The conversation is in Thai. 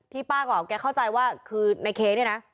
ที่ป้าก็เข้าใจว่าคือนายเคเนี่ยนะ